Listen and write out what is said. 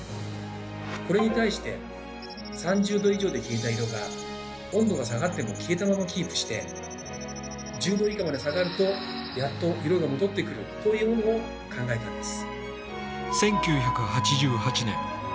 これに対して３０℃以上で消えた色が温度が下がっても消えたままキープして１０℃以下まで下がるとやっと色が戻ってくるというものを考えたんです。